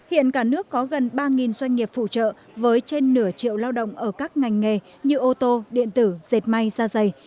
hiện cả nước có gần ba doanh nghiệp phụ trợ với trên nửa triệu lao động ở các ngành nghề như ô tô điện tử dệt may da dày